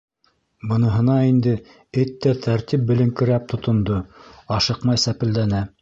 Быныһына инде эт тә тәртип белеңкерәп тотондо, ашыҡмай сәпелдәне.